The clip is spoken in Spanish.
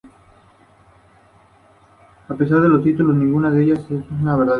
A pesar de los títulos, ninguna de ellas es una verdadera Sailor Senshi.